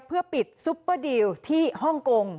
เพื่อปิดซุปเปอร์ดีลที่ฮ่องกง